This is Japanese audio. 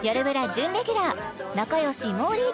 準レギュラー仲良しもーりー